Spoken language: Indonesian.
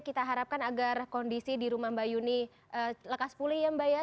kita harapkan agar kondisi di rumah mbak yuni lekas pulih ya mbak ya